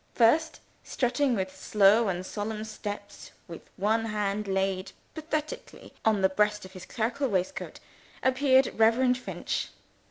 First, strutting with slow and solemn steps, with one hand laid pathetically on the breast of his clerical waistcoat, appeared Reverend Finch.